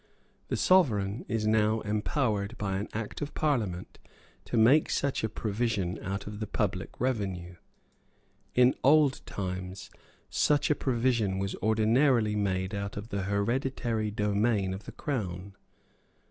The Sovereign is now empowered by Act of Parliament to make such a provision out of the public revenue. In old times such a provision was ordinarily made out of the hereditary domain of the Crown.